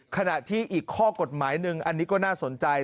ขณะที่อีกข้อกฎหมายหนึ่งอันนี้ก็น่าสนใจ